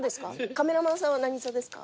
カメラマンさんは何座ですか？